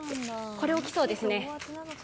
これ、大きそうですね。